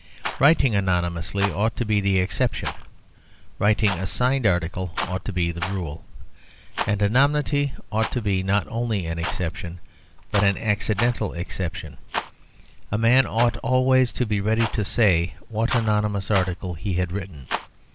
Writing anonymously ought to be the exception; writing a signed article ought to be the rule. And anonymity ought to be not only an exception, but an accidental exception; a man ought always to be ready to say what anonymous article he had written.